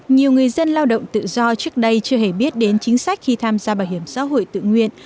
nhiều người dân lao động tự do trước đây chưa hề biết đến chính sách khi tham gia bảo hiểm xã hội tự nguyện